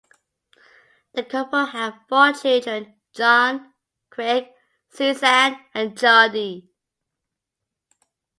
The couple had four children: John, Craig, Susanne and Jody.